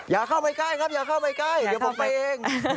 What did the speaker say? อย่าเข้าไปใกล้ผมไปเอง